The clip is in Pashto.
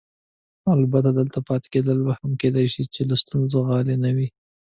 البته دلته پاتې کېدل مې هم کیدای شي له ستونزو خالي نه وي.